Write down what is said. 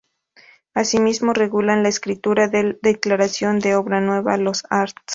Asimismo regulan la escritura de declaración de obra nueva, los arts.